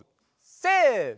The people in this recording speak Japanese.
せの！